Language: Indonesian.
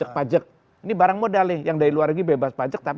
sama yang dari dalam negeri dipanjakin